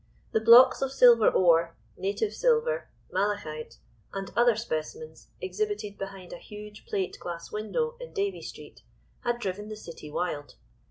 The blocks of silver ore, "native silver," malachite, and other specimens exhibited behind a huge plate glass window in Davey Street, had driven the city wild.